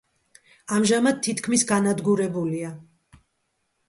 ამჟამად თითქმის განადგურებულია.